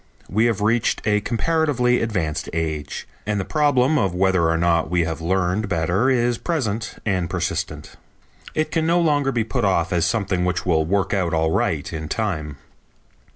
We have reached a comparatively advanced age, and the problem of whether or not we have learned better is present and persistent. It can no longer be put off as something which will work out all right in time.